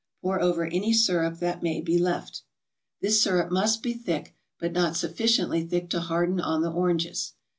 Pour over any syrup that may be left. This syrup must be thick, but not sufficiently thick to harden on the oranges.